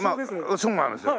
そうなんですよ。